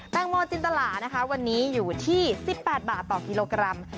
แตงโมจินตลานะคะวันนี้อยู่ที่๑๘บาทต่อกิโลกรัม